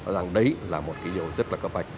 rằng đấy là một cái điều rất là cấp vạch